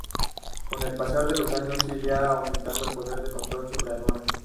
Con el pasar de los años iría aumentando el poder de control sobre aduana.